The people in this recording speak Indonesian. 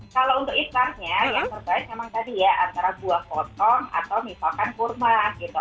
kalau untuk istannya yang terbaik memang tadi ya antara buah potong atau misalkan kurma gitu